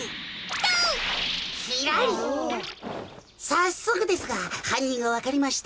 さっそくですがはんにんがわかりました。